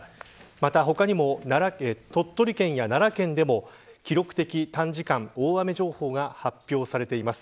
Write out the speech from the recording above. また他にも鳥取県や奈良県でも記録的短時間大雨情報が発表されています。